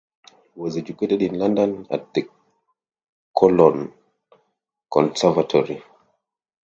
He was educated in London and at the Cologne Conservatory.